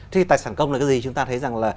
thì tài sản công là cái gì chúng ta thấy rằng là